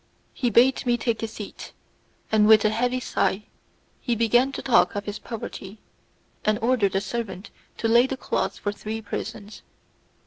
He bade me take a seat, and with a heavy sigh he began to talk of his poverty, and ordered a servant to lay the cloth for three persons.